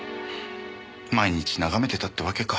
毎日眺めてたってわけか。